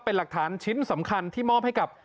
เป็นหลักฐานชิ้นสำคัญที่มอบให้กับ